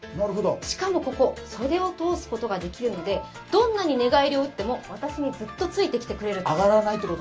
しかもここ、袖を通すことができるのでどんなに寝返りを打っていても私にずっとついてきてくれると。